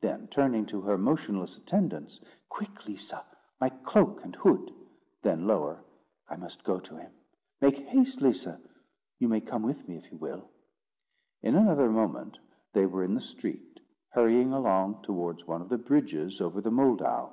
Then turning to her motionless attendants—"Quick, Lisa, my cloak and hood!" Then lower—"I must go to him. Make haste, Lisa! You may come with me, if you will." In another moment they were in the street, hurrying along towards one of the bridges over the Moldau.